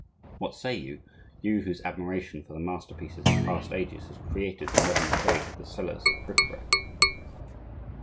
What say you, you whose admiration for the masterpieces of past ages has created the modern trade of the sellers of bric a brac?